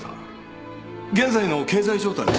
現在の経済状態は。